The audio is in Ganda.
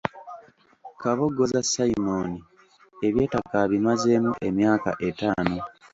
Kabogoza Simon eby'ettaka abimazeemu emyaka etaano.